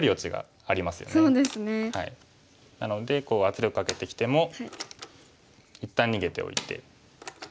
なので圧力かけてきても一旦逃げておいて。